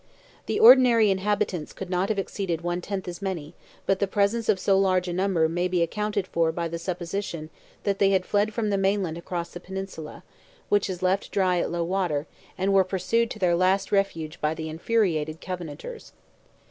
The ordinary inhabitants could not have exceeded one tenth as many, but the presence of so large a number may be accounted for by the supposition that they had fled from the mainland across the peninsula, which is left dry at low water, and were pursued to their last refuge by the infuriated Covenanters.